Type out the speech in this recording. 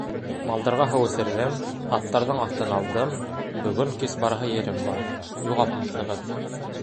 Малдарға һыу эсерҙем, аттарҙың аҫтын алдым, бөгөн кис бараһы ерем бар, юғалтмаҫһығыҙ...